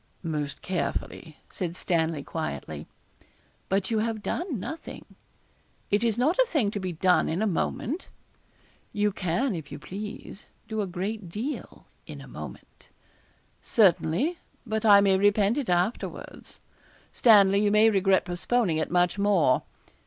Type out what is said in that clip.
'Most carefully,' said Stanley, quietly. 'But you have done nothing.' 'It is not a thing to be done in a moment.' 'You can, if you please, do a great deal in a moment' 'Certainly; but I may repent it afterwards.' 'Stanley, you may regret postponing it, much more.'